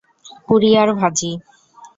পুরি আর ভাজি।